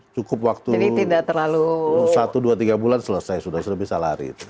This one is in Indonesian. cukup waktu satu dua tiga bulan selesai sudah sudah bisa lari